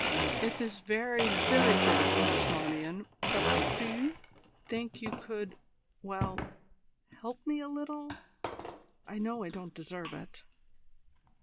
"If is very, very good of you, Miss Marmion; but do you think you could well, help me a little? I know I don't deserve it."